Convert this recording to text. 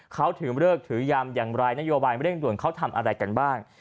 เขาถือเลิกถือยามอย่างไรนโยบายเร่งด่วนเขาทำอะไรกันบ้าง